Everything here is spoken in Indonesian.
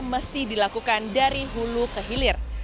mesti dilakukan dari hulu ke hilir